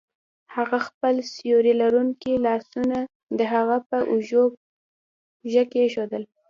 هغه خپل سیوري لرونکي لاسونه د هغه په اوږه کیښودل